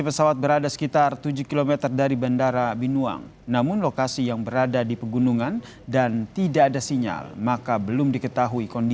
empat personel polsek kerayan selatan yang terdiri di bandara terbang